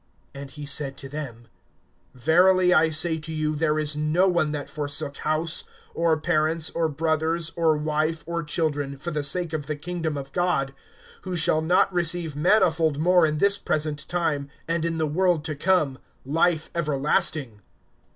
(29)And he said to them: Verily I say to you, there is no one that forsook house, or parents, or brothers, or wife, or children, for the sake of the kingdom of God, (30)who shall not receive manifold more in this present time, and in the world to come life everlasting.